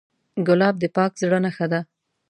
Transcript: ګلاب د پاک زړه نښه ده.